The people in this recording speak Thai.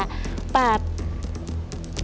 ผมคิดว่าสงสารแกครับ